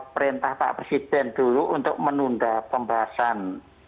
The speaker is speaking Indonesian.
perintah pak presiden dulu untuk menunda pembahasan